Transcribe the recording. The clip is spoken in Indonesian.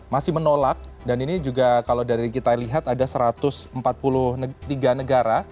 masih menolak dan ini juga kalau dari kita lihat ada satu ratus empat puluh tiga negara